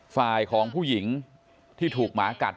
ฝ่ายของผู้หญิงที่ถูกหมากัด